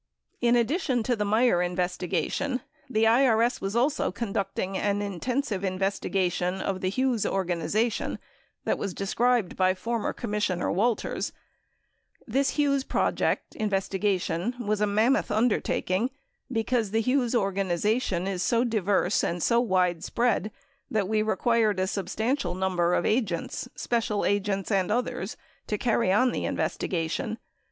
74 In addition to the Meier investigation, the IRS was also conducting an intensive investigation of the Hughes organization that was de scribed by former Commissioner Walters: "This Hughes project, investigation, was a mammoth undertaking because the Hughes orga nization is so diverse and so widespread that we required a substantial number of agents, special agents, and others to carry on the investiga tion.